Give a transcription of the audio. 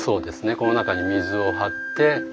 この中に水を張ってはい。